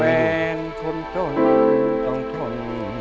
ต้องทนต้องทนต้องทนต้องทน